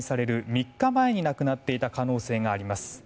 ３日前に亡くなっていた可能性があります。